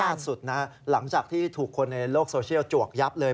ล่าสุดนะหลังจากที่ถูกคนในโลกโซเชียลจวกยับเลย